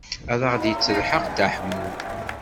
Ad aɣ-d-yettelḥaq Dda Ḥemmu.